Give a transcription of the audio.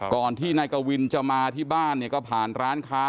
ก่อนที่นายกวินจะมาที่บ้านเนี่ยก็ผ่านร้านค้า